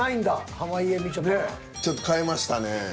濱家みちょぱは。ちょっと変えましたね。